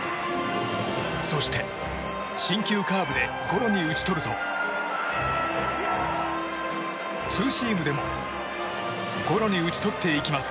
そして、新球カーブでゴロに打ち取るとツーシームでもゴロに打ち取っていきます。